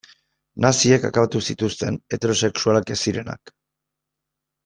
Naziek akabatu zituzten heterosexualak ez zirenak.